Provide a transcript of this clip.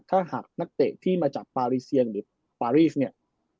ถ้าหากนักเตะที่มาจากปารีเซียงหรือปารีสเนี่ย